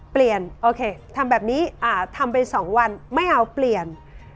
เปลี่ยนโอเคทำแบบนี้ทำไป๒วันไม่เอาเปลี่ยน